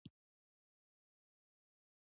د غورک کلی موقعیت